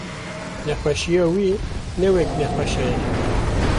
nexweşiya wî ne wek nexweşa ye.